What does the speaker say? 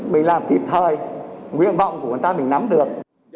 mình làm kịp thời nguyện vọng của người ta mình nắm được